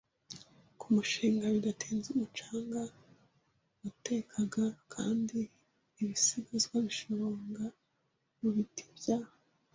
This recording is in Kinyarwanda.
ku mushinga. Bidatinze, umucanga watekaga kandi ibisigazwa bishonga mu biti bya